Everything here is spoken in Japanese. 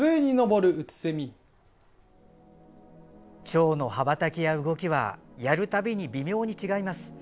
ちょうの羽ばたきや動きはやるたびに微妙に違います。